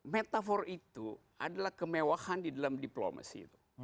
metafor itu adalah kemewahan di dalam diplomasi